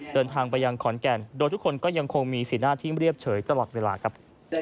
เดินทางไปยังขอนแก่นโดยทุกคนก็ยังคงมีสีหน้าที่เรียบเฉยตลอดเวลาครับ